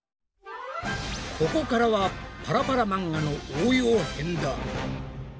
ここからはパラパラ漫画の応用編だ！